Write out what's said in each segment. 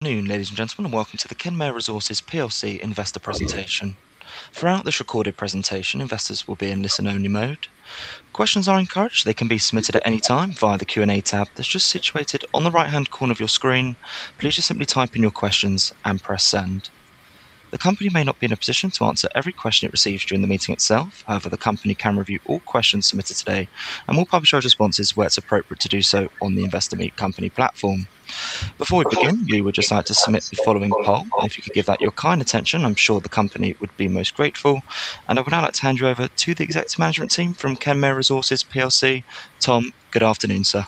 Good afternoon, ladies and gentlemen, and welcome to the Kenmare Resources PLC investor presentation. Throughout this recorded presentation, investors will be in listen-only mode. Questions are encouraged. They can be submitted at any time via the Q&A tab that's just situated on the right-hand corner of your screen. Please just simply type in your questions and press send. The company may not be in a position to answer every question it receives during the meeting itself. However, the company can review all questions submitted today and will publish our responses where it's appropriate to do so on the Investor Meet Company platform. Before we begin, we would just like to submit the following poll. If you could give that your kind attention, I'm sure the company would be most grateful, and I would now like to hand you over to the executive management team from Kenmare Resources PLC. Tom, good afternoon, sir.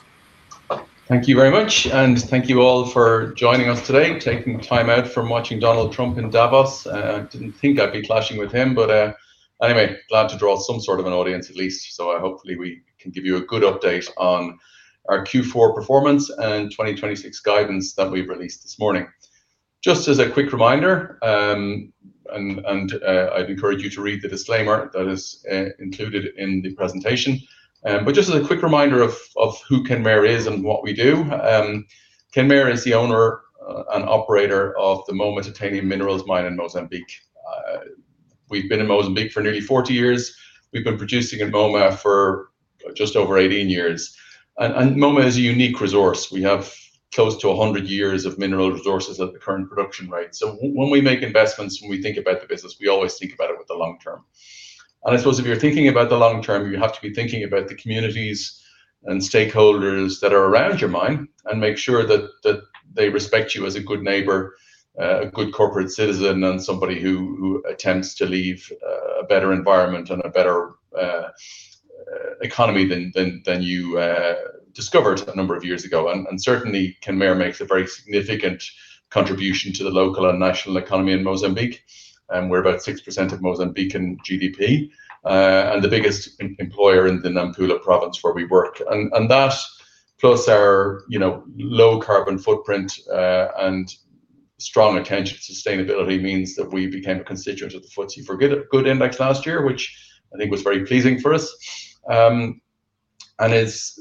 Thank you very much, and thank you all for joining us today, taking time out from watching Donald Trump in Davos. I didn't think I'd be clashing with him, but anyway, glad to draw some sort of an audience at least, so hopefully we can give you a good update on our Q4 performance and 2026 guidance that we've released this morning. Just as a quick reminder, and I'd encourage you to read the disclaimer that is included in the presentation. But just as a quick reminder of who Kenmare is and what we do, Kenmare is the owner and operator of the Moma titanium minerals mine in Mozambique. We've been in Mozambique for nearly 40 years. We've been producing at Moma for just over 18 years. Moma is a unique resource. We have close to 100 years of mineral resources at the current production rate. When we make investments, when we think about the business, we always think about it with the long term. I suppose if you're thinking about the long term, you have to be thinking about the communities and stakeholders that are around your mine and make sure that they respect you as a good neighbor, a good corporate citizen, and somebody who attempts to leave a better environment and a better economy than you discovered a number of years ago. Certainly, Kenmare makes a very significant contribution to the local and national economy in Mozambique. We're about 6% of Mozambican GDP and the biggest employer in the Nampula province where we work. That, plus our low carbon footprint and strong attention to sustainability, means that we became a constituent of the FTSE4Good Index last year, which I think was very pleasing for us. It's,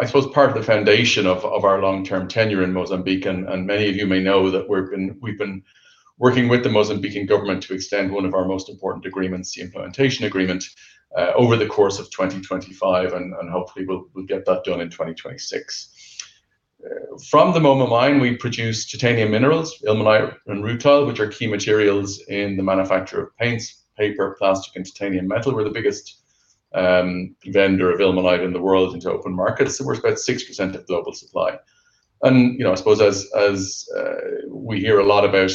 I suppose, part of the foundation of our long-term tenure in Mozambique. Many of you may know that we've been working with the Mozambican government to extend one of our most important agreements, the implementation agreement, over the course of 2025, and hopefully we'll get that done in 2026. From the Moma mine, we produce titanium minerals, ilmenite and rutile, which are key materials in the manufacture of paints, paper, plastic, and titanium metal. We're the biggest vendor of ilmenite in the world into open markets, so we're about 6% of global supply. I suppose as we hear a lot about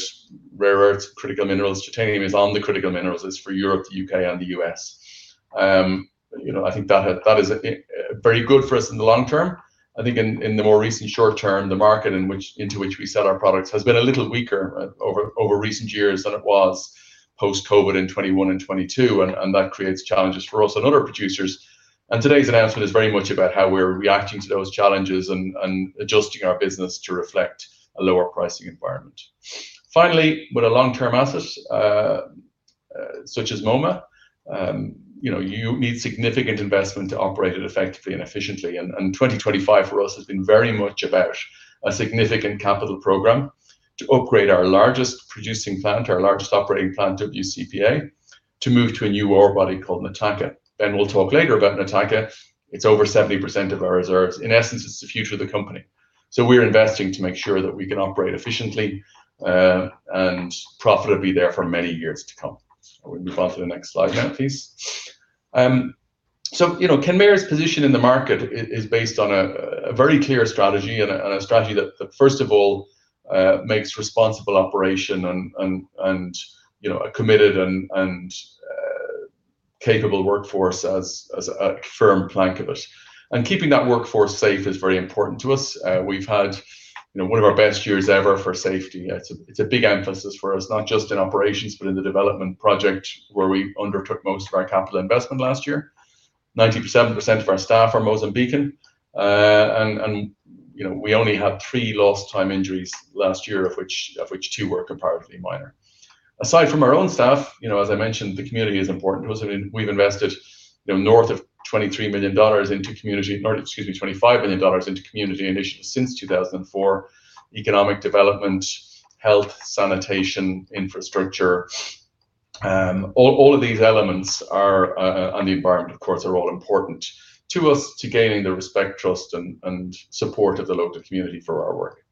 rare earths, critical minerals, titanium is on the critical minerals, it's for Europe, the U.K., and the U.S. I think that is very good for us in the long term. I think in the more recent short term, the market into which we sell our products has been a little weaker over recent years than it was post-COVID in 2021 and 2022, and that creates challenges for us and other producers, and today's announcement is very much about how we're reacting to those challenges and adjusting our business to reflect a lower pricing environment. Finally, with a long-term asset such as Moma, you need significant investment to operate it effectively and efficiently, and 2025 for us has been very much about a significant capital program to upgrade our largest producing plant, our largest operating plant, WCP A, to move to a new ore body called Nataka. Ben will talk later about Nataka. It's over 70% of our reserves. In essence, it's the future of the company. We're investing to make sure that we can operate efficiently and profitably there for many years to come. We'll move on to the next slide now, please. Kenmare's position in the market is based on a very clear strategy and a strategy that, first of all, makes responsible operation and a committed and capable workforce as a firm plank of it. Keeping that workforce safe is very important to us. We've had one of our best years ever for safety. It's a big emphasis for us, not just in operations, but in the development project where we undertook most of our capital investment last year. 97% of our staff are Mozambican, and we only had three lost time injuries last year, of which two were comparatively minor. Aside from our own staff, as I mentioned, the community is important to us. We've invested north of $23 million into community, excuse me, $25 million into community initiatives since 2004. Economic development, health, sanitation, infrastructure, all of these elements and the environment, of course, are all important to us to gaining the respect, trust, and support of the local community for our work.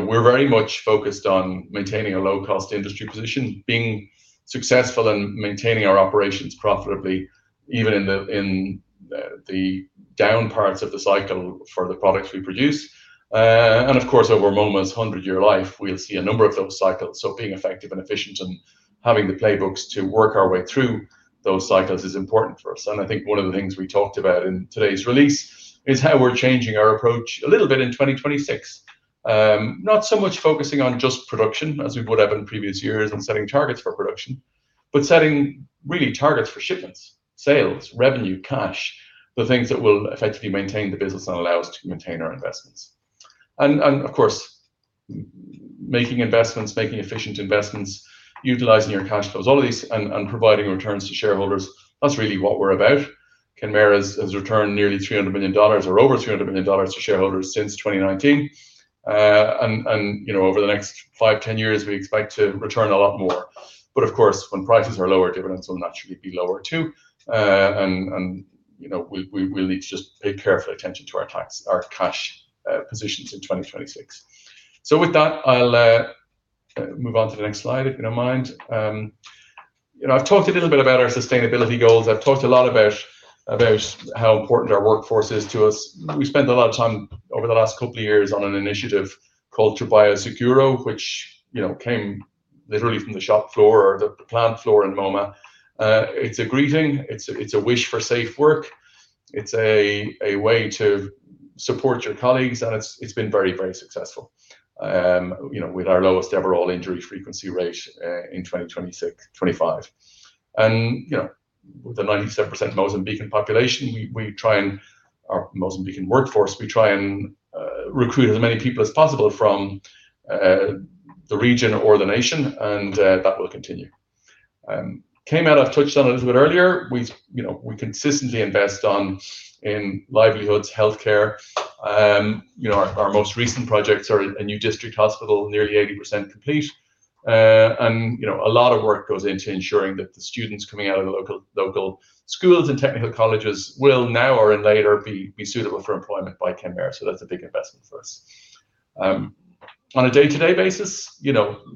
We're very much focused on maintaining a low-cost industry position, being successful in maintaining our operations profitably, even in the down parts of the cycle for the products we produce, and of course, over Moma's 100-year life, we'll see a number of those cycles, so being effective and efficient and having the playbooks to work our way through those cycles is important for us, and I think one of the things we talked about in today's release is how we're changing our approach a little bit in 2026. Not so much focusing on just production, as we would have in previous years and setting targets for production, but setting real targets for shipments, sales, revenue, cash, the things that will effectively maintain the business and allow us to maintain our investments. And of course, making investments, making efficient investments, utilizing your cash flows, all of these, and providing returns to shareholders, that's really what we're about. Kenmare has returned nearly $300 million or over $300 million to shareholders since 2019. And over the next five, 10 years, we expect to return a lot more. But of course, when prices are lower, dividends will naturally be lower too. And we'll need to just pay careful attention to our cash positions in 2026. So with that, I'll move on to the next slide, if you don't mind. I've talked a little bit about our sustainability goals. I've talked a lot about how important our workforce is to us. We spent a lot of time over the last couple of years on an initiative called Trabalho Seguro, which came literally from the shop floor or the plant floor in Moma. It's a greeting. It's a wish for safe work. It's a way to support your colleagues, and it's been very, very successful with our lowest ever all-injury frequency rate in 2026, '25, and with the 97% Mozambican population, we try and our Mozambican workforce, we try and recruit as many people as possible from the region or the nation, and that will continue. Kenmare, I've touched on it a little bit earlier. We consistently invest in livelihoods, healthcare. Our most recent projects are a new district hospital, nearly 80% complete. A lot of work goes into ensuring that the students coming out of the local schools and technical colleges will now or in later be suitable for employment by Kenmare. So that's a big investment for us. On a day-to-day basis,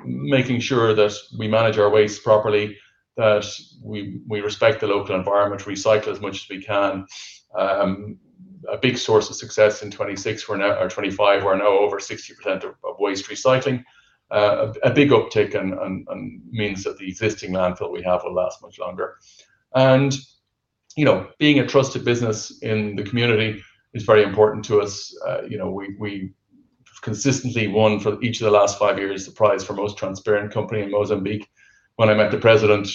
making sure that we manage our waste properly, that we respect the local environment, recycle as much as we can. A big source of success in 2026 or 2025, we're now over 60% of waste recycling. A big uptick means that the existing landfill we have will last much longer. Being a trusted business in the community is very important to us. We've consistently won for each of the last five years the prize for most transparent company in Mozambique. When I met the president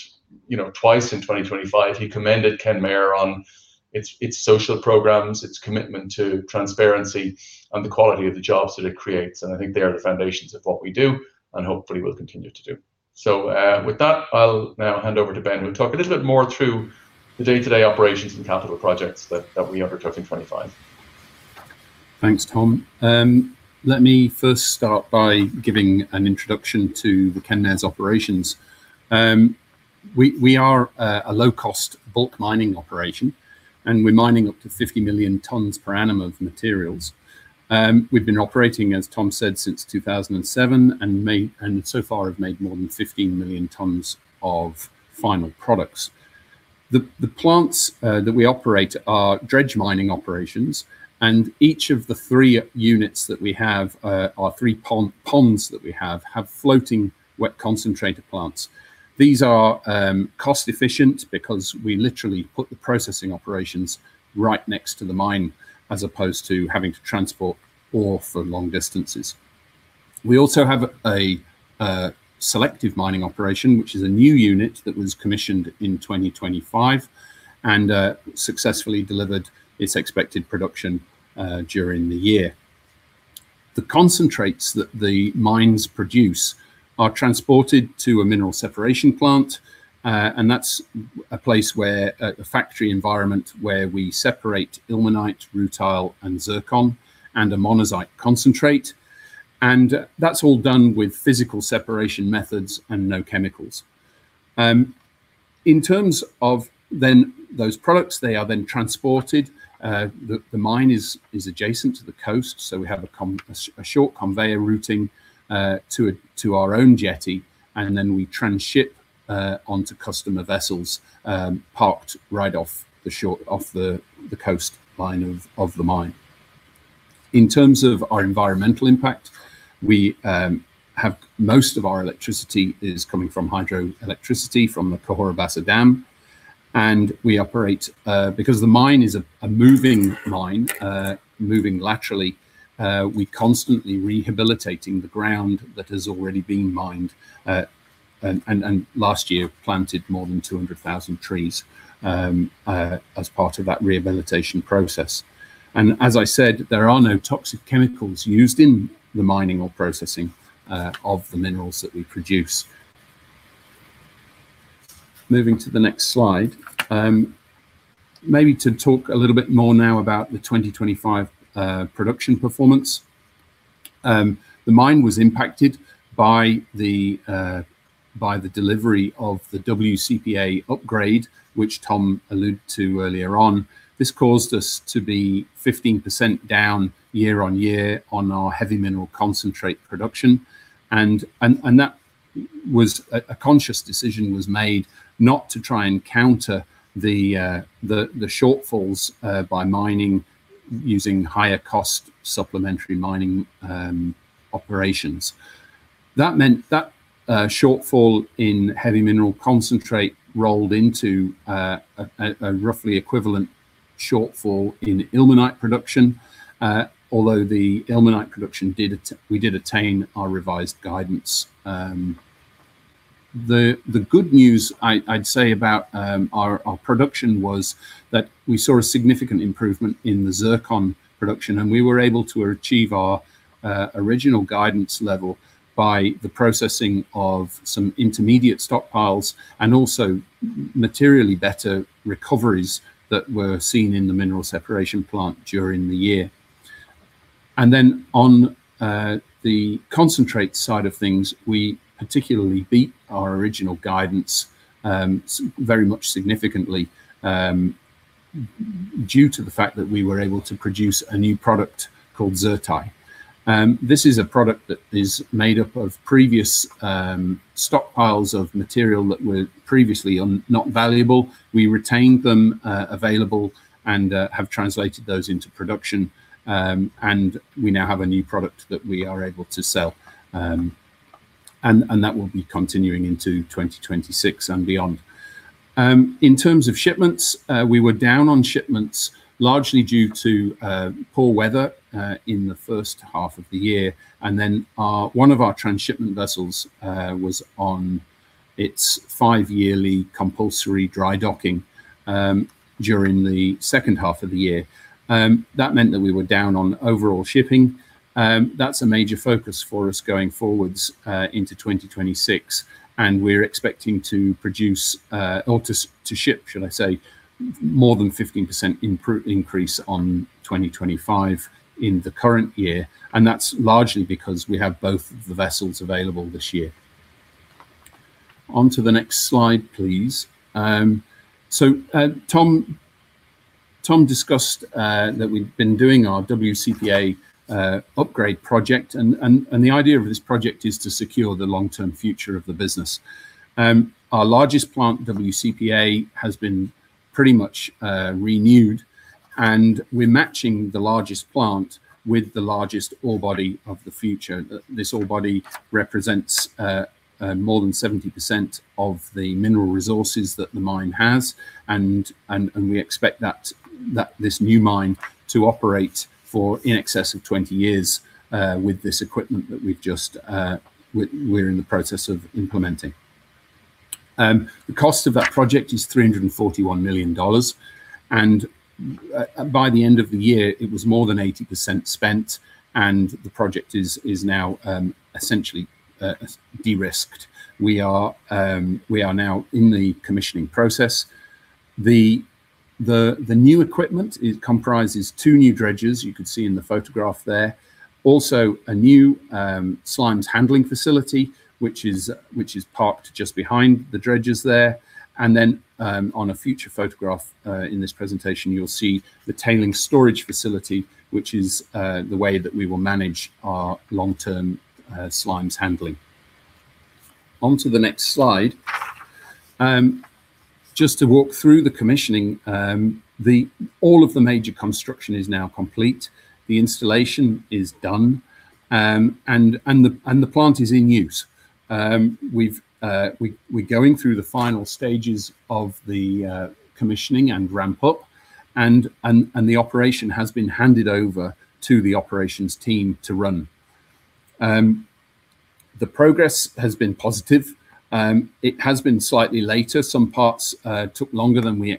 twice in 2025, he commended Kenmare on its social programs, its commitment to transparency, and the quality of the jobs that it creates, and I think they are the foundations of what we do and hopefully will continue to do, so with that, I'll now hand over to Ben who will talk a little bit more through the day-to-day operations and capital projects that we undertook in 2025. Thanks, Tom. Let me first start by giving an introduction to Kenmare's operations. We are a low-cost bulk mining operation, and we're mining up to 50 million tons per annum of materials. We've been operating, as Tom said, since 2007 and so far have made more than 15 million tons of final products. The plants that we operate are dredge mining operations, and each of the three units that we have, our three ponds that we have, have floating wet concentrator plants. These are cost-efficient because we literally put the processing operations right next to the mine as opposed to having to transport ore for long distances. We also have a selective mining operation, which is a new unit that was commissioned in 2025 and successfully delivered its expected production during the year. The concentrates that the mines produce are transported to a mineral separation plant, and that's a place, a factory environment, where we separate ilmenite, rutile, and zircon and a monazite concentrate. That's all done with physical separation methods and no chemicals. In terms of then those products, they are then transported. The mine is adjacent to the coast, so we have a short conveyor routing to our own jetty, and then we transship onto customer vessels parked right off the coastline of the mine. In terms of our environmental impact, most of our electricity is coming from hydroelectricity from the Cahora Bassa Dam. We operate, because the mine is a moving mine, moving laterally, we're constantly rehabilitating the ground that has already been mined and last year planted more than 200,000 trees as part of that rehabilitation process. As I said, there are no toxic chemicals used in the mining or processing of the minerals that we produce. Moving to the next slide, maybe to talk a little bit more now about the 2025 production performance. The mine was impacted by the delivery of the WCP A upgrade, which Tom alluded to earlier on. This caused us to be 15% down year on year on our heavy mineral concentrate production. And that was a conscious decision was made not to try and counter the shortfalls by mining using higher-cost supplementary mining operations. That shortfall in heavy mineral concentrate rolled into a roughly equivalent shortfall in ilmenite production, although the ilmenite production we did attain our revised guidance. The good news, I'd say, about our production was that we saw a significant improvement in the zircon production, and we were able to achieve our original guidance level by the processing of some intermediate stockpiles and also materially better recoveries that were seen in the mineral separation plant during the year. And then on the concentrate side of things, we particularly beat our original guidance very much significantly due to the fact that we were able to produce a new product called ZirTi. This is a product that is made up of previous stockpiles of material that were previously not valuable. We retained them available and have translated those into production, and we now have a new product that we are able to sell. And that will be continuing into 2026 and beyond. In terms of shipments, we were down on shipments largely due to poor weather in the first half of the year, and then one of our transshipment vessels was on its five-yearly compulsory dry docking during the second half of the year. That meant that we were down on overall shipping. That's a major focus for us going forwards into 2026, and we're expecting to produce or to ship, should I say, more than 15% increase on 2025 in the current year, and that's largely because we have both of the vessels available this year. On to the next slide, please, so Tom discussed that we've been doing our WCPA upgrade project, and the idea of this project is to secure the long-term future of the business. Our largest plant, WCPA, has been pretty much renewed, and we're matching the largest plant with the largest ore body of the future. This ore body represents more than 70% of the mineral resources that the mine has, and we expect this new mine to operate for in excess of 20 years with this equipment that we're in the process of implementing. The cost of that project is $341 million, and by the end of the year, it was more than 80% spent, and the project is now essentially de-risked. We are now in the commissioning process. The new equipment comprises two new dredgers, you can see in the photograph there. Also, a new slimes handling facility, which is parked just behind the dredgers there. And then on a future photograph in this presentation, you'll see the tailings storage facility, which is the way that we will manage our long-term slimes handling. On to the next slide. Just to walk through the commissioning, all of the major construction is now complete. The installation is done, and the plant is in use. We're going through the final stages of the commissioning and ramp-up, and the operation has been handed over to the operations team to run. The progress has been positive. It has been slightly later. Some parts took longer than we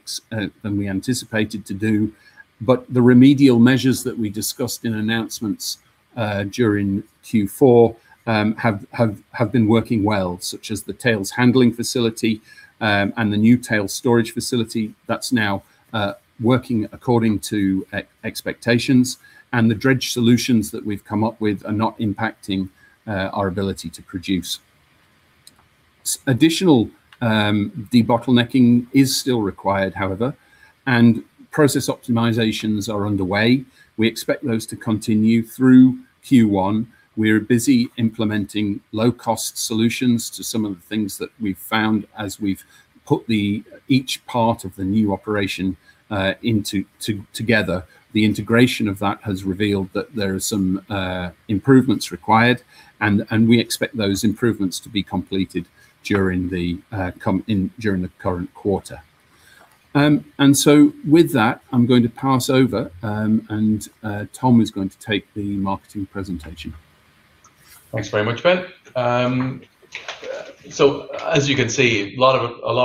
anticipated to do, but the remedial measures that we discussed in announcements during Q4 have been working well, such as the slimes handling facility and the new tailings storage facility that's now working according to expectations, and the dredge solutions that we've come up with are not impacting our ability to produce. Additional debottlenecking is still required, however, and process optimizations are underway. We expect those to continue through Q1. We're busy implementing low-cost solutions to some of the things that we've found as we've put each part of the new operation together. The integration of that has revealed that there are some improvements required, and we expect those improvements to be completed during the current quarter, and so with that, I'm going to pass over, and Tom is going to take the marketing presentation. Thanks very much, Ben. So as you can see, a lot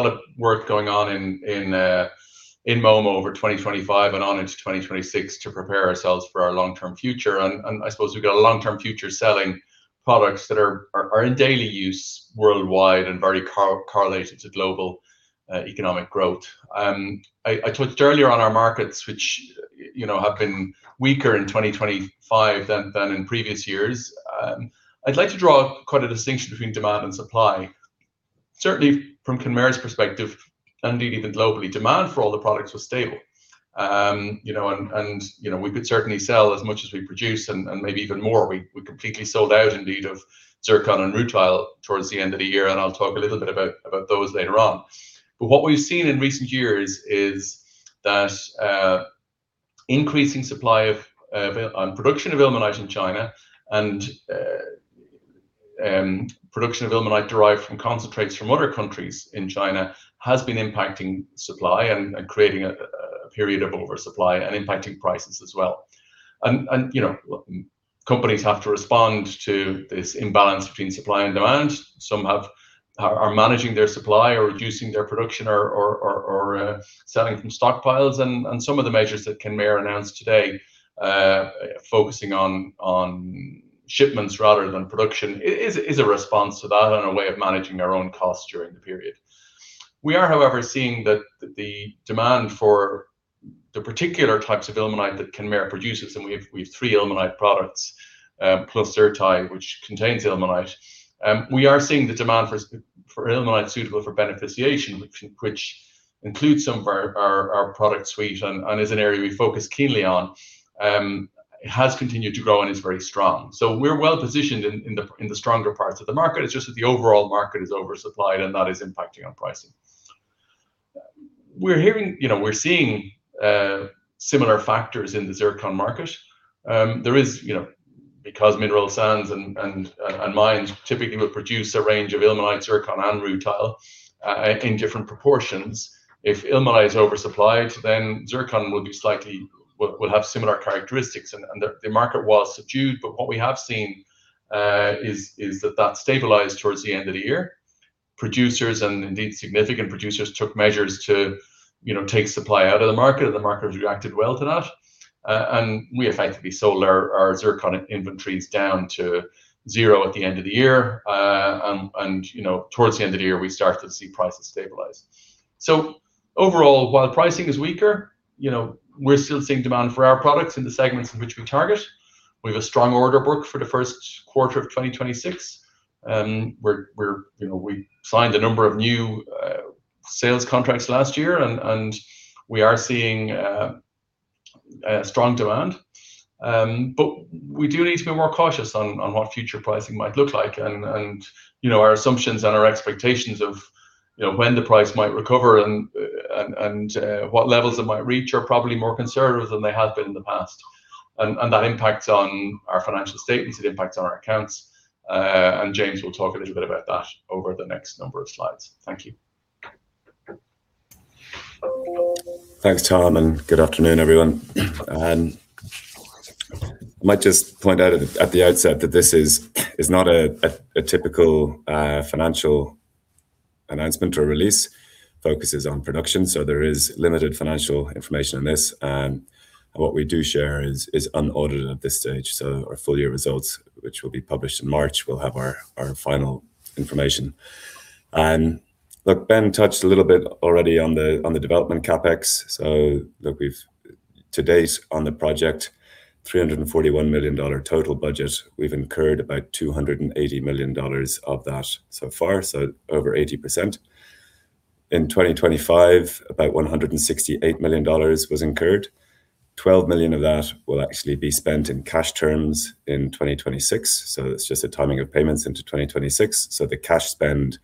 of work going on in Moma over 2025 and on into 2026 to prepare ourselves for our long-term future. And I suppose we've got a long-term future selling products that are in daily use worldwide and very correlated to global economic growth. I touched earlier on our markets, which have been weaker in 2025 than in previous years. I'd like to draw quite a distinction between demand and supply. Certainly, from Kenmare's perspective, and indeed even globally, demand for all the products was stable. And we could certainly sell as much as we produce and maybe even more. We completely sold out indeed of zircon and rutile towards the end of the year, and I'll talk a little bit about those later on. But what we've seen in recent years is that increasing supply and production of ilmenite in China and production of ilmenite derived from concentrates from other countries in China has been impacting supply and creating a period of oversupply and impacting prices as well. And companies have to respond to this imbalance between supply and demand. Some are managing their supply or reducing their production or selling from stockpiles. And some of the measures that Kenmare announced today, focusing on shipments rather than production, is a response to that and a way of managing our own costs during the period. We are, however, seeing that the demand for the particular types of ilmenite that Kenmare produces, and we have three ilmenite products plus Zerti, which contains ilmenite. We are seeing the demand for ilmenite suitable for beneficiation, which includes some of our product suite and is an area we focus keenly on, has continued to grow and is very strong. So we're well positioned in the stronger parts of the market. It's just that the overall market is oversupplied, and that is impacting our pricing. We're seeing similar factors in the zircon market. There is, because mineral sands and mines typically will produce a range of ilmenite, zircon, and rutile in different proportions. If ilmenite is oversupplied, then zircon will have similar characteristics, and the market was subdued. But what we have seen is that that stabilized towards the end of the year. Producers and indeed significant producers took measures to take supply out of the market, and the market has reacted well to that. We effectively sold our zircon inventories down to zero at the end of the year. Towards the end of the year, we started to see prices stabilize. Overall, while pricing is weaker, we're still seeing demand for our products in the segments in which we target. We have a strong order book for the first quarter of 2026. We signed a number of new sales contracts last year, and we are seeing strong demand. We do need to be more cautious on what future pricing might look like. Our assumptions and our expectations of when the price might recover and what levels it might reach are probably more conservative than they have been in the past. That impacts on our financial statements. It impacts on our accounts. James will talk a little bit about that over the next number of slides. Thank you. Thanks, Tom, and good afternoon, everyone. I might just point out at the outset that this is not a typical financial announcement or release. Focuses on production, so there is limited financial information in this. And what we do share is unaudited at this stage. So our full year results, which will be published in March, will have our final information. And look, Ben touched a little bit already on the development CapEx. So look, today's on the project, $341 million total budget. We've incurred about $280 million of that so far, so over 80%. In 2025, about $168 million was incurred. $12 million of that will actually be spent in cash terms in 2026. So it's just the timing of payments into 2026. So the cash spend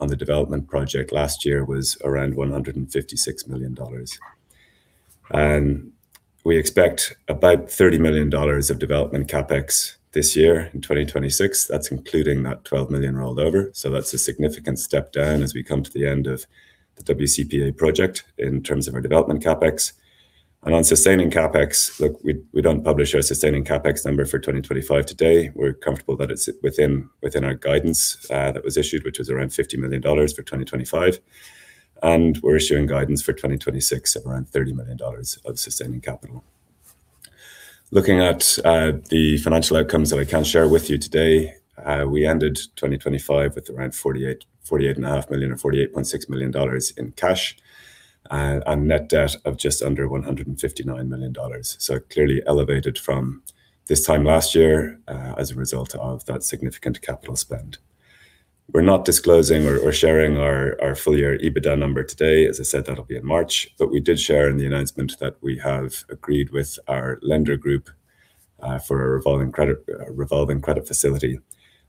on the development project last year was around $156 million. We expect about $30 million of development CapEx this year in 2026. That's including that $12 million rolled over. That's a significant step down as we come to the end of the WCPA project in terms of our development CapEx. On sustaining CapEx, look, we don't publish our sustaining CapEx number for 2025 today. We're comfortable that it's within our guidance that was issued, which was around $50 million for 2025. We're issuing guidance for 2026 of around $30 million of sustaining capital. Looking at the financial outcomes that I can share with you today, we ended 2025 with around $48.5 million or $48.6 million in cash and net debt of just under $159 million. Clearly elevated from this time last year as a result of that significant capital spend. We're not disclosing or sharing our full year EBITDA number today. As I said, that'll be in March, but we did share in the announcement that we have agreed with our lender group for a revolving credit facility,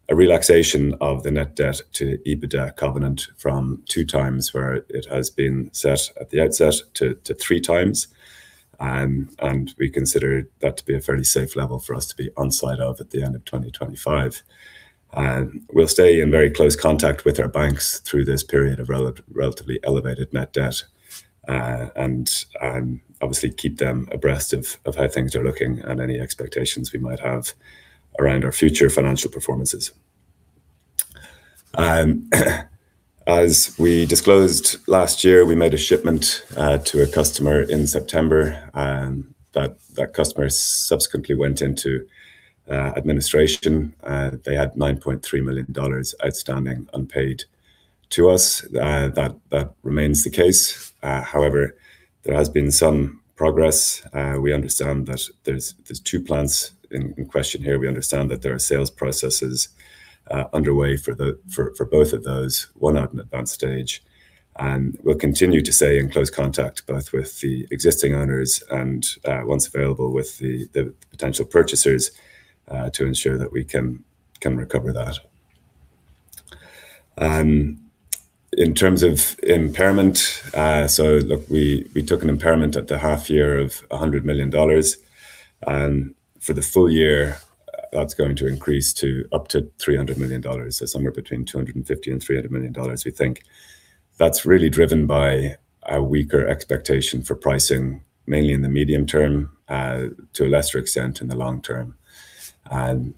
a relaxation of the net debt to EBITDA covenant from two times, where it has been set at the outset, to three times, and we consider that to be a fairly safe level for us to be onside at the end of 2025. We'll stay in very close contact with our banks through this period of relatively elevated net debt and obviously keep them abreast of how things are looking and any expectations we might have around our future financial performances. As we disclosed last year, we made a shipment to a customer in September. That customer subsequently went into administration. They had $9.3 million outstanding unpaid to us. That remains the case. However, there has been some progress. We understand that there's two plants in question here. We understand that there are sales processes underway for both of those, one at an advanced stage. And we'll continue to stay in close contact both with the existing owners and, once available, with the potential purchasers to ensure that we can recover that. In terms of impairment, so look, we took an impairment at the half year of $100 million. And for the full year, that's going to increase to up to $300 million, so somewhere between $250 and $300 million, we think. That's really driven by a weaker expectation for pricing, mainly in the medium term to a lesser extent in the long term. And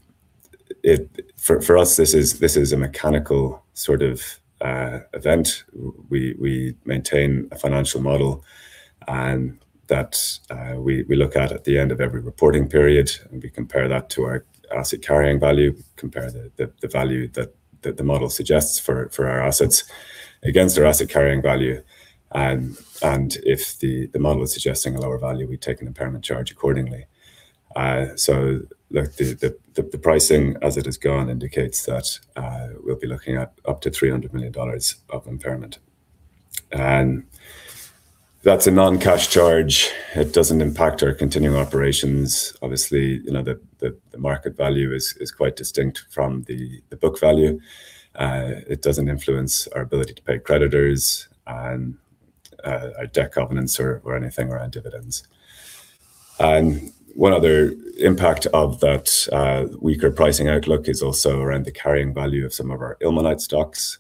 for us, this is a mechanical sort of event. We maintain a financial model that we look at at the end of every reporting period, and we compare that to our asset carrying value. We compare the value that the model suggests for our assets against our asset carrying value. And if the model is suggesting a lower value, we take an impairment charge accordingly. So look, the pricing as it has gone indicates that we'll be looking at up to $300 million of impairment. And that's a non-cash charge. It doesn't impact our continuing operations. Obviously, the market value is quite distinct from the book value. It doesn't influence our ability to pay creditors and our debt covenants or anything around dividends. And one other impact of that weaker pricing outlook is also around the carrying value of some of our ilmenite stocks.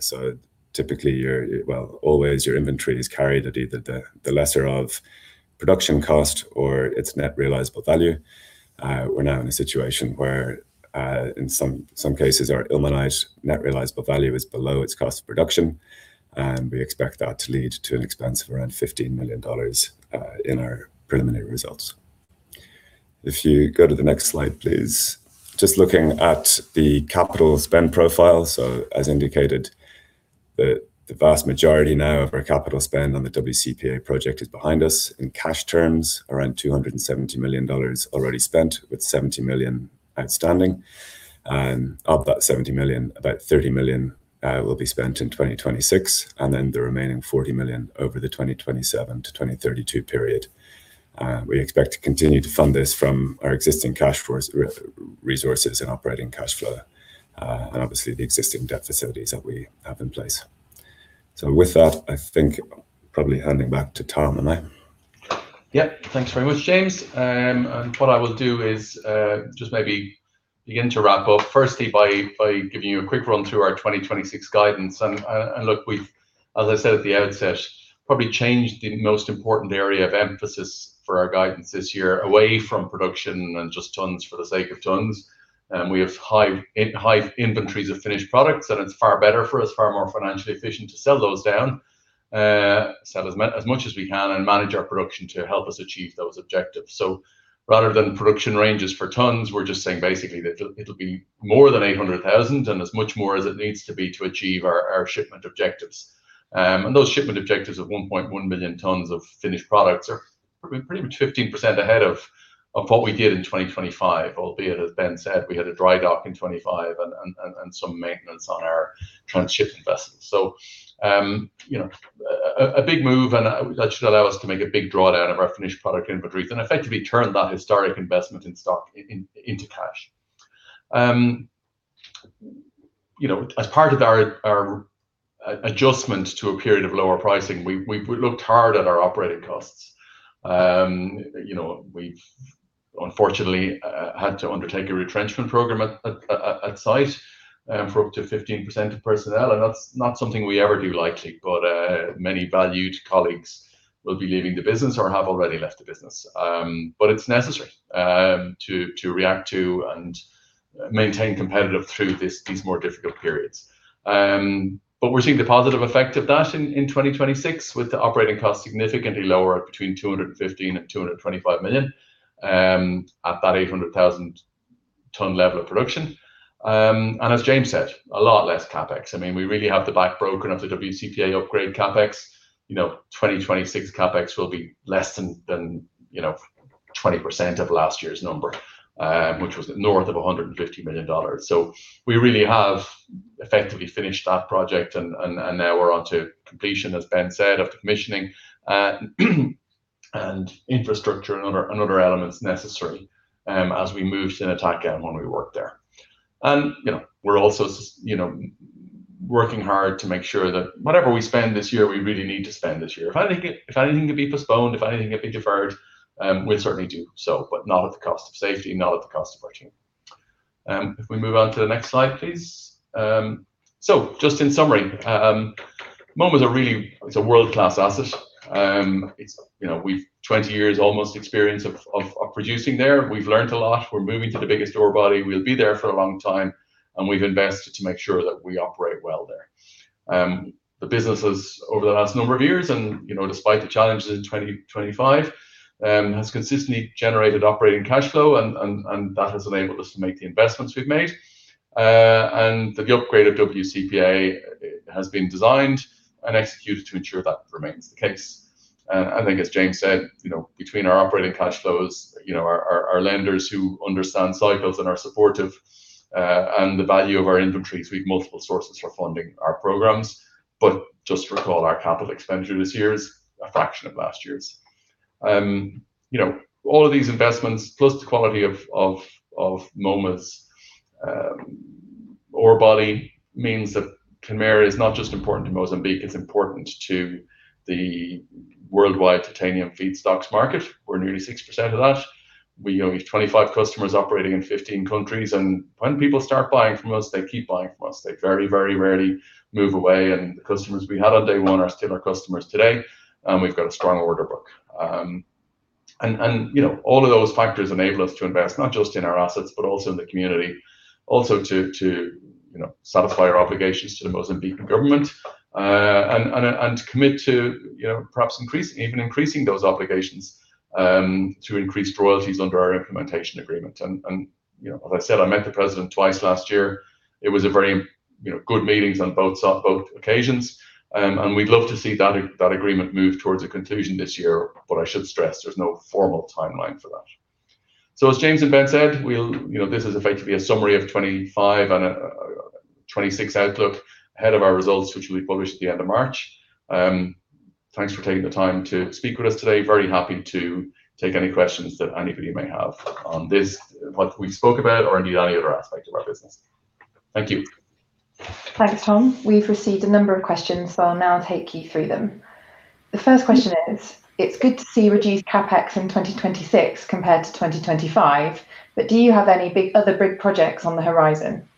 So typically, well, always, your inventory is carried at either the lesser of production cost or its net realizable value. We're now in a situation where, in some cases, our ilmenite net realizable value is below its cost of production. We expect that to lead to an expense of around $15 million in our preliminary results. If you go to the next slide, please. Just looking at the capital spend profile. As indicated, the vast majority now of our capital spend on the WCP A project is behind us in cash terms, around $270 million already spent, with $70 million outstanding. Of that $70 million, about $30 million will be spent in 2026, and then the remaining $40 million over the 2027 to 2032 period. We expect to continue to fund this from our existing cash resources and operating cash flow and obviously the existing debt facilities that we have in place. With that, I think probably handing back to Tom, am I? Yep, thanks very much, James. And what I will do is just maybe begin to wrap up, firstly, by giving you a quick run through our 2026 guidance. And look, we've, as I said at the outset, probably changed the most important area of emphasis for our guidance this year away from production and just tons for the sake of tons. And we have high inventories of finished products, and it's far better for us, far more financially efficient to sell those down, sell as much as we can, and manage our production to help us achieve those objectives. So rather than production ranges for tons, we're just saying basically that it'll be more than 800,000 and as much more as it needs to be to achieve our shipment objectives. Those shipment objectives of 1.1 million tons of finished products are pretty much 15% ahead of what we did in 2025, albeit as Ben said, we had a dry dock in 2025 and some maintenance on our transshipment vessels. So a big move, and that should allow us to make a big drawdown of our finished product inventories and effectively turn that historic investment in stock into cash. As part of our adjustment to a period of lower pricing, we looked hard at our operating costs. We've unfortunately had to undertake a retrenchment program at site for up to 15% of personnel. And that's not something we ever do lightly, but many valued colleagues will be leaving the business or have already left the business. But it's necessary to react to and maintain competitiveness through these more difficult periods. We're seeing the positive effect of that in 2026 with the operating costs significantly lower at between $215-$225 million at that 800,000-ton level of production. As James said, a lot less CapEx. I mean, we really have broken the back of the WCP A upgrade CapEx. 2026 CapEx will be less than 20% of last year's number, which was north of $150 million. We really have effectively finished that project, and now we're on to completion, as Ben said, of the commissioning and infrastructure and other elements necessary as we move to Nataka and when we work there. We're also working hard to make sure that whatever we spend this year, we really need to spend this year. If anything could be postponed, if anything could be deferred, we'll certainly do so, but not at the cost of safety, not at the cost of purchasing. If we move on to the next slide, please. So just in summary, Moma is a world-class asset. We've 20 years almost experience of producing there. We've learned a lot. We're moving to the biggest ore body. We'll be there for a long time, and we've invested to make sure that we operate well there. The business has, over the last number of years, and despite the challenges in 2025, has consistently generated operating cash flow, and that has enabled us to make the investments we've made. And the upgrade of WCPA has been designed and executed to ensure that remains the case. And I think, as James said, between our operating cash flows, our lenders who understand cycles and are supportive and the value of our inventories, we have multiple sources for funding our programs. But just recall our capital expenditure this year is a fraction of last year's. All of these investments, plus the quality of Moma's ore body, means that Kenmare is not just important to Mozambique. It's important to the worldwide titanium feedstocks market. We're nearly 6% of that. We have 25 customers operating in 15 countries. And when people start buying from us, they keep buying from us. They very, very rarely move away. And the customers we had on day one are still our customers today. And we've got a strong order book. And all of those factors enable us to invest not just in our assets, but also in the community, also to satisfy our obligations to the Mozambican government and to commit to perhaps even increasing those obligations to increase royalties under our implementation agreement. And as I said, I met the president twice last year. It was very good meetings on both occasions. We'd love to see that agreement move towards a conclusion this year. I should stress, there's no formal timeline for that. As James and Ben said, this is effectively a summary of 2025 and 2026 outlook ahead of our results, which will be published at the end of March. Thanks for taking the time to speak with us today. Very happy to take any questions that anybody may have on this, what we spoke about, or indeed any other aspect of our business. Thank you. Thanks, Tom. We've received a number of questions, so I'll now take you through them. The first question is, it's good to see reduced CapEx in 2026 compared to 2025, but do you have any other big projects on the horizon?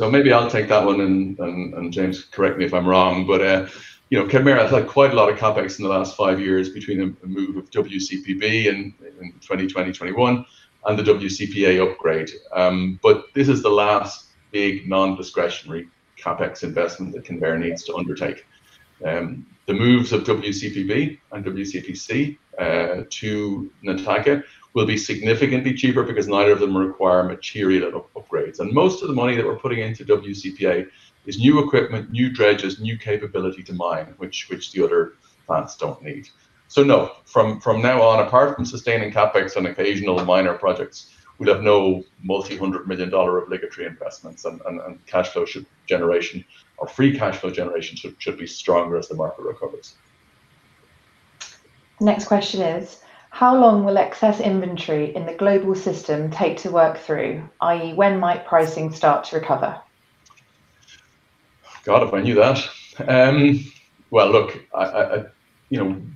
Maybe I'll take that one, and James can correct me if I'm wrong. But Kenmare has had quite a lot of CapEx in the last five years between a move of WCP B in 2020, 2021, and the WCPA upgrade. But this is the last big non-discretionary CapEx investment that Kenmare needs to undertake. The moves of WCP B and WCPC to Nataka will be significantly cheaper because neither of them require material upgrades. And most of the money that we're putting into WCPA is new equipment, new dredges, new capability to mine, which the other plants don't need. So no, from now on, apart from sustaining CapEx on occasional minor projects, we'll have no multi-hundred million dollar obligatory investments, and cash flow generation or free cash flow generation should be stronger as the market recovers. Next question is, how long will excess inventory in the global system take to work through, i.e., when might pricing start to recover? God, if I knew that, well, look,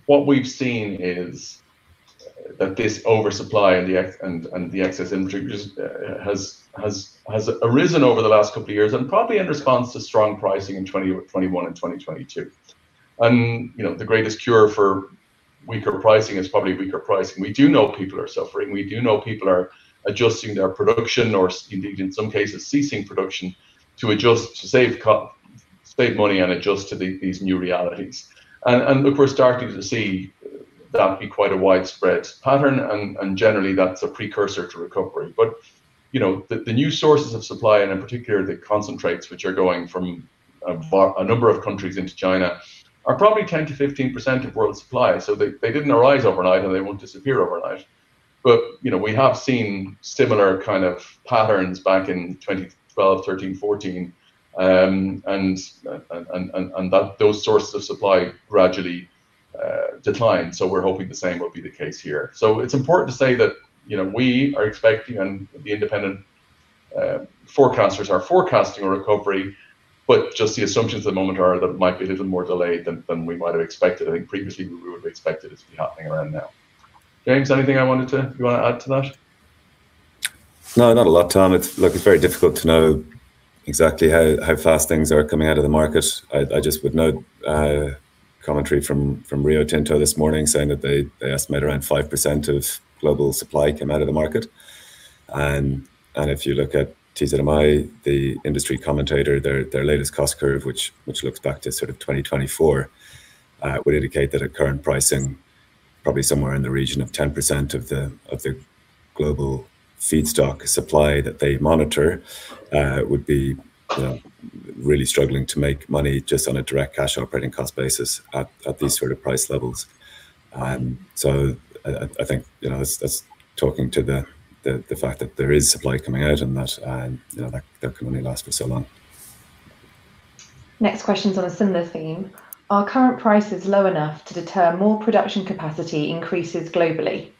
what we've seen is that this oversupply and the excess inventory has arisen over the last couple of years and probably in response to strong pricing in 2021 and 2022, and the greatest cure for weaker pricing is probably weaker pricing. We do know people are suffering. We do know people are adjusting their production or indeed, in some cases, ceasing production to save money and adjust to these new realities, and look, we're starting to see that be quite a widespread pattern, and generally, that's a precursor to recovery, but the new sources of supply, and in particular, the concentrates, which are going from a number of countries into China, are probably 10%-15% of world supply, so they didn't arise overnight, and they won't disappear overnight. But we have seen similar kind of patterns back in 2012, 2013, 2014, and those sources of supply gradually declined. So we're hoping the same will be the case here. So it's important to say that we are expecting, and the independent forecasters are forecasting a recovery, but just the assumptions at the moment are that it might be a little more delayed than we might have expected. I think previously, we would have expected it to be happening around now. James, anything you want to add to that? No, not a lot, Tom. Look, it's very difficult to know exactly how fast things are coming out of the market. I just would note commentary from Rio Tinto this morning saying that they estimate around 5% of global supply came out of the market, and if you look at TZMI, the industry commentator, their latest cost curve, which looks back to sort of 2024, would indicate that current pricing, probably somewhere in the region of 10% of the global feedstock supply that they monitor, would be really struggling to make money just on a direct cash operating cost basis at these sort of price levels, so I think that's talking to the fact that there is supply coming out and that that can only last for so long. Next question's on a similar theme. Are current prices low enough to determine more production capacity increases globally?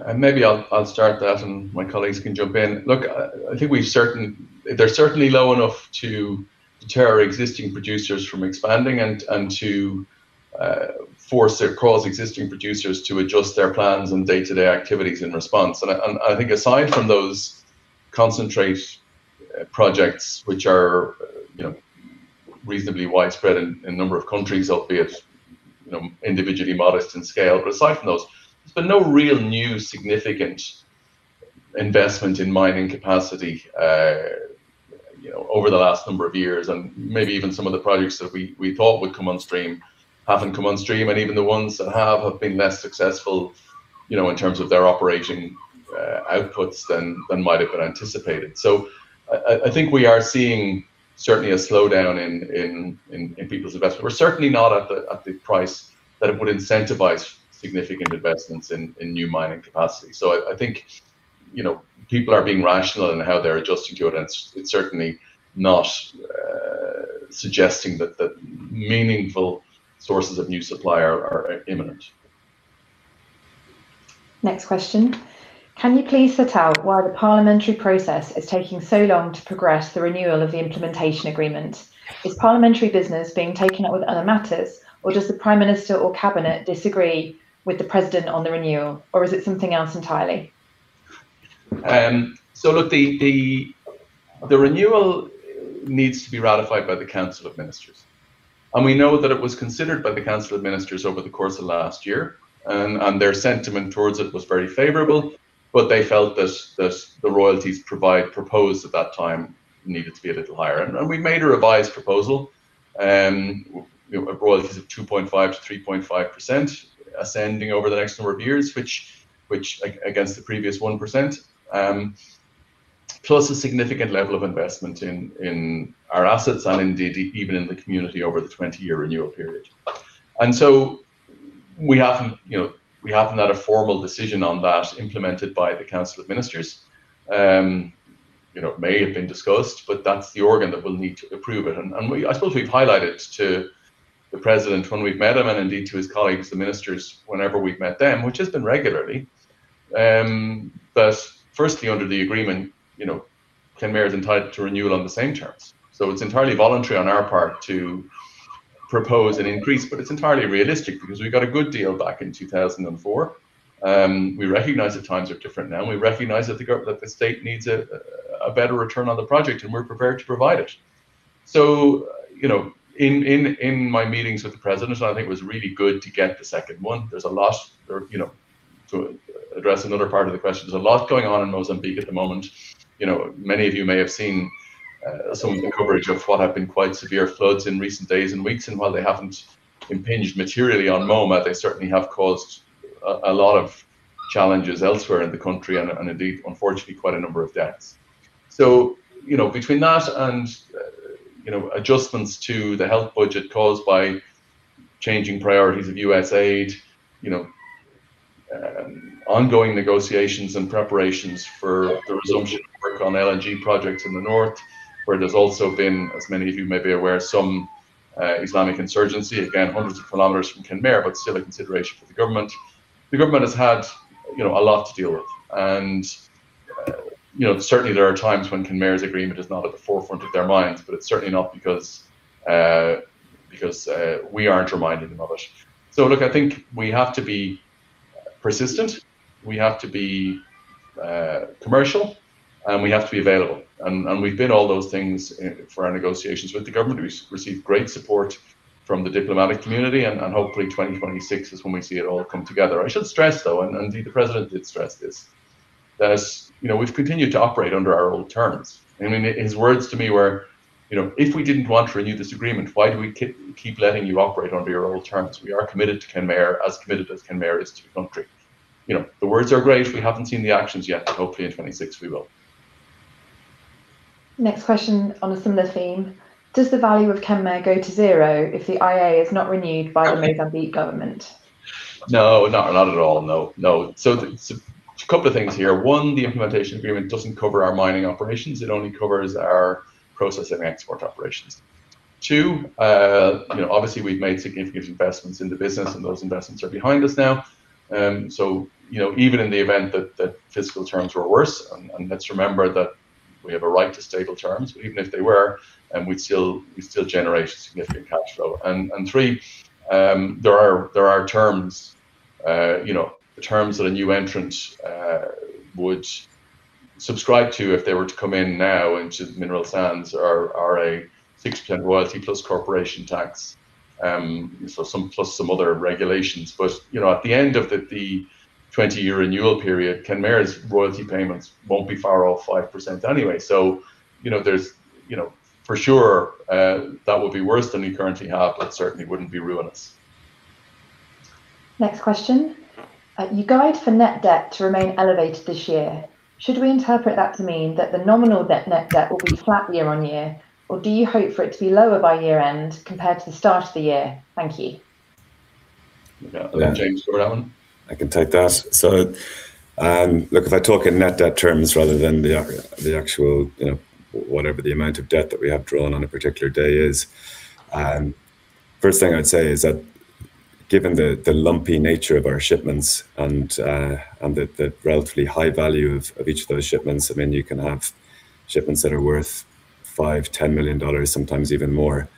And maybe I'll start that, and my colleagues can jump in. Look, I think they're certainly low enough to deter existing producers from expanding and to force or cause existing producers to adjust their plans and day-to-day activities in response. And I think aside from those concentrate projects, which are reasonably widespread in a number of countries, albeit individually modest in scale, but aside from those, there's been no real new significant investment in mining capacity over the last number of years. And maybe even some of the projects that we thought would come on stream haven't come on stream. And even the ones that have have been less successful in terms of their operating outputs than might have been anticipated. So I think we are seeing certainly a slowdown in people's investment. We're certainly not at the price that would incentivize significant investments in new mining capacity. So I think people are being rational in how they're adjusting to it. And it's certainly not suggesting that meaningful sources of new supply are imminent. Next question. Can you please set out why the parliamentary process is taking so long to progress the renewal of the implementation agreement? Is parliamentary business being taken up with other matters, or does the Prime Minister or Cabinet disagree with the president on the renewal, or is it something else entirely? Look, the renewal needs to be ratified by the Council of Ministers. We know that it was considered by the Council of Ministers over the course of last year, and their sentiment towards it was very favorable. They felt that the royalties proposed at that time needed to be a little higher. We've made a revised proposal, royalties of 2.5%-3.5% ascending over the next number of years, which against the previous 1%, plus a significant level of investment in our assets and indeed even in the community over the 20-year renewal period. We haven't had a formal decision on that implemented by the Council of Ministers. It may have been discussed, but that's the organ that will need to approve it. I suppose we've highlighted to the president when we've met him and indeed to his colleagues, the ministers, whenever we've met them, which has been regularly. But firstly, under the agreement, Kenmare is entitled to renewal on the same terms. So it's entirely voluntary on our part to propose an increase, but it's entirely realistic because we got a good deal back in 2004. We recognize that times are different now. We recognize that the state needs a better return on the project, and we're prepared to provide it. So in my meetings with the president, I think it was really good to get the second one. There's a lot to address. Another part of the question, there's a lot going on in Mozambique at the moment. Many of you may have seen some of the coverage of what have been quite severe floods in recent days and weeks. and while they haven't impinged materially on Moma, they certainly have caused a lot of challenges elsewhere in the country and indeed, unfortunately, quite a number of deaths. so between that and adjustments to the health budget caused by changing priorities of USAID, ongoing negotiations and preparations for the resumption of work on LNG projects in the north, where there's also been, as many of you may be aware, some Islamic insurgency, again, hundreds of kilometers from Kenmare, but still a consideration for the government. The government has had a lot to deal with. and certainly, there are times when Kenmare's agreement is not at the forefront of their minds, but it's certainly not because we aren't reminding them of it. so look, I think we have to be persistent. We have to be commercial, and we have to be available. And we've been all those things for our negotiations with the government. We've received great support from the diplomatic community, and hopefully, 2026 is when we see it all come together. I should stress, though, and indeed the president did stress this, that we've continued to operate under our old terms. I mean, his words to me were, "If we didn't want to renew this agreement, why do we keep letting you operate under your old terms? We are committed to Kenmare, as committed as Kenmare is to the country." The words are great. We haven't seen the actions yet, but hopefully, in 2026, we will. Next question on a similar theme. Does the value of Kenmare go to zero if the IA is not renewed by the Mozambique government? No, not at all. No. No. So a couple of things here. One, the implementation agreement doesn't cover our mining operations. It only covers our processing and export operations. Two, obviously, we've made significant investments in the business, and those investments are behind us now. So even in the event that fiscal terms were worse, and let's remember that we have a right to stable terms. Even if they were, we'd still generate significant cash flow. And three, there are terms that a new entrant would subscribe to if they were to come in now into mineral sands are a 6% royalty plus corporation tax, plus some other regulations. But at the end of the 20-year renewal period, Kenmare's royalty payments won't be far off 5% anyway. So for sure, that would be worse than we currently have, but certainly wouldn't be ruinous. Next question. You guide for net debt to remain elevated this year. Should we interpret that to mean that the nominal net debt will be flat year on year, or do you hope for it to be lower by year-end compared to the start of the year? Thank you. Okay. I'll let James cover that one. I can take that. So look, if I talk in net debt terms rather than the actual whatever the amount of debt that we have drawn on a particular day is, first thing I'd say is that given the lumpy nature of our shipments and the relatively high value of each of those shipments, I mean, you can have shipments that are worth $5-$10 million, sometimes even more.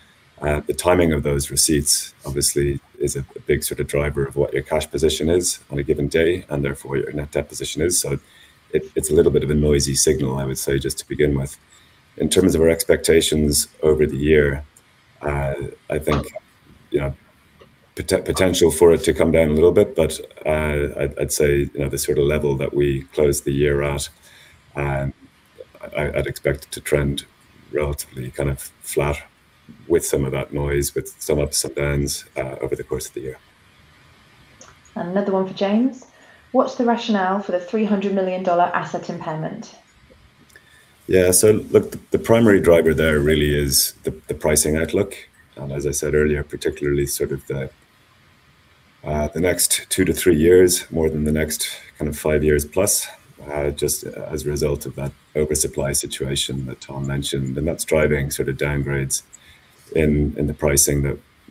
The timing of those receipts, obviously, is a big sort of driver of what your cash position is on a given day and therefore your net debt position is. So it's a little bit of a noisy signal, I would say, just to begin with. In terms of our expectations over the year, I think potential for it to come down a little bit, but I'd say the sort of level that we closed the year at. I'd expect it to trend relatively kind of flat with some of that noise, with some ups and downs over the course of the year. Another one for James. What's the rationale for the $300 million asset impairment? Yeah. So look, the primary driver there really is the pricing outlook. And as I said earlier, particularly sort of the next two to three years, more than the next kind of five years plus, just as a result of that oversupply situation that Tom mentioned. And that's driving sort of downgrades in the pricing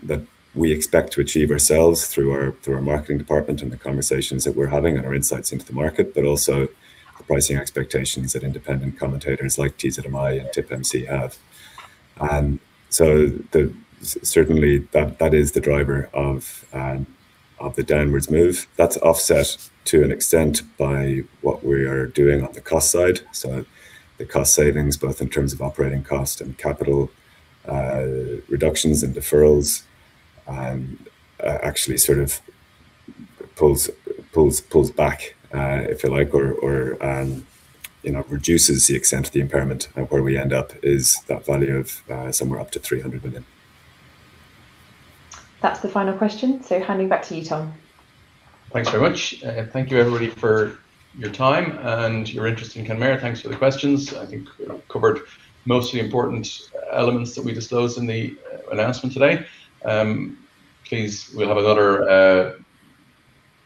that we expect to achieve ourselves through our marketing department and the conversations that we're having and our insights into the market, but also the pricing expectations that independent commentators like TZMI and TiPMC have. And so certainly, that is the driver of the downwards move. That's offset to an extent by what we are doing on the cost side. So the cost savings, both in terms of operating cost and capital reductions and deferrals, actually sort of pulls back, if you like, or reduces the extent of the impairment where we end up is that value of somewhere up to $300 million. That's the final question. So handing back to you, Tom. Thanks very much. Thank you, everybody, for your time and your interest in Kenmare. Thanks for the questions. I think we've covered most of the important elements that we disclosed in the announcement today. Please, we'll have another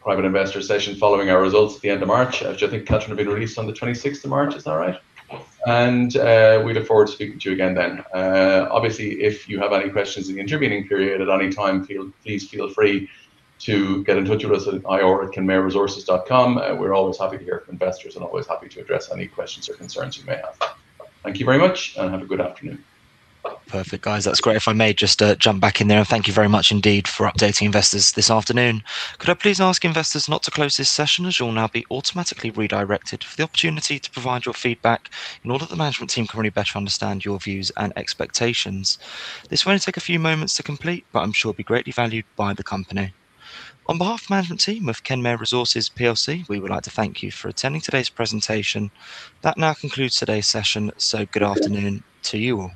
private investor session following our results at the end of March, which I think have been released on the 26th of March. Is that right? And we look forward to speaking to you again then. Obviously, if you have any questions in the intervening period at any time, please feel free to get in touch with us at ior@kenmareresources.com. We're always happy to hear from investors and always happy to address any questions or concerns you may have. Thank you very much, and have a good afternoon. Perfect, guys. That's great. If I may just jump back in there, and thank you very much indeed for updating investors this afternoon. Could I please ask investors not to close this session as you'll now be automatically redirected for the opportunity to provide your feedback in order that the management team can really better understand your views and expectations? This won't take a few moments to complete, but I'm sure it'll be greatly valued by the company. On behalf of the management team of Kenmare Resources PLC, we would like to thank you for attending today's presentation. That now concludes today's session, so good afternoon to you all.